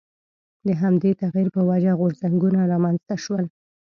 د همدې تغییر په وجه غورځنګونه رامنځته شول.